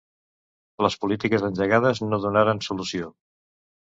Les polítiques engegades no donaren solució.